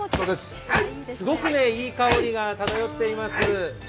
すごくいい香りが漂っています。